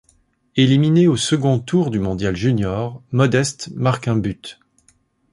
Éliminé au second tour du mondial juniors, Modeste marque un but.